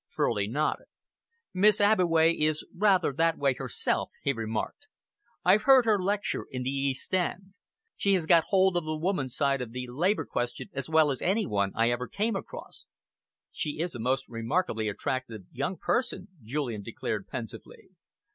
Furley nodded. "Miss Abbeway is rather that way herself," he remarked. "I've heard her lecture in the East End. She has got hold of the woman's side of the Labour question as well as any one I ever came across." "She is a most remarkably attractive young person," Julian declared pensively.